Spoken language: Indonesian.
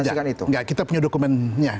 tidak tidak tidak kita punya dokumennya